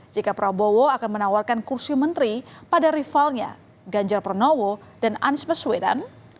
jika prabowo akan menawarkan kursi menteri pada rivalnya ganjar pranowo dan anies baswedan